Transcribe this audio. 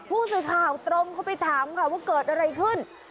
ผู้สื่อข่าวตรงเข้าไปถามค่ะว่าเกิดอะไรขึ้น